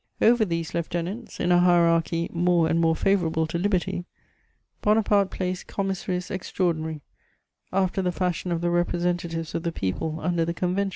Over these lieutenants, in a hierarchy "more and more favourable to liberty," Bonaparte placed commissaries extraordinary, after the fashion of the representatives of the people under the Convention.